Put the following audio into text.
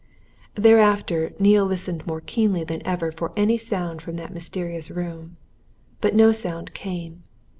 Thereafter, Neale listened more keenly than ever for any sound from that mysterious room. But no sound came.